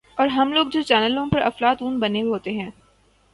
اورہم لوگ جو چینلوں پہ افلاطون بنے ہوتے ہیں۔